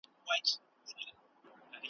پړ هم زه سوم مړ هم زه سوم ,